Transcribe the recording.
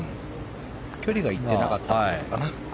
距離がいってなかったってことかな。